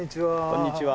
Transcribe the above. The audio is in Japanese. こんにちは。